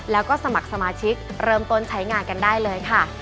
แล้วก็สมัครสมาชิกเริ่มต้นใช้งานกันได้เลยค่ะ